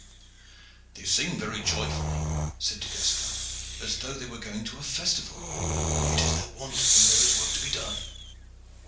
"They sing very joyfully," said Du Guesclin, "as though they were going to a festival." "It is their wont when there is work to be done."